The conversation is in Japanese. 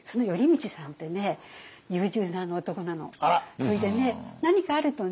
それでね何かあるとね